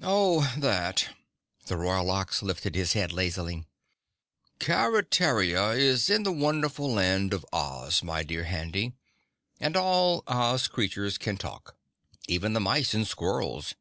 "Oh, that " the Royal Ox lifted his head lazily. "Keretaria is in the wonderful Land of Oz, my dear Handy, and all Oz creatures can talk, even the mice and squirrels.